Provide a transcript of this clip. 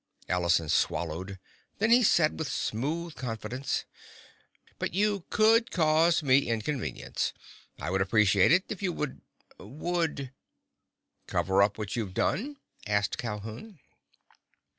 Allison swallowed. Then he said with smooth confidence: "But you could cause me inconvenience. I would appreciate it if you would—would—" "Cover up what you've done?" asked Calhoun.